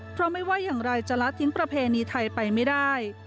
เพราะไม่ว่าอย่างไรจะละทิ้งประเพณีไทยไปไม่ได้